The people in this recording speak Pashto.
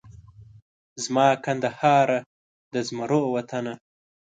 زما کندهاره د زمرو وطنه